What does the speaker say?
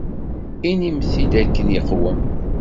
Inim-t-id akken iqwem.